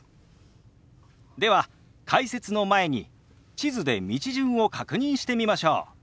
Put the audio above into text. では解説の前に地図で道順を確認してみましょう。